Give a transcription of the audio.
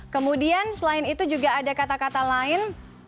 kemudian selain itu juga ada kata kata lain